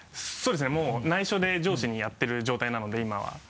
そうですねもう内緒で上司にやっている状態なので今は。